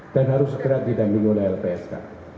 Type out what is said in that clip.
dan harus segera didampingi oleh lpsk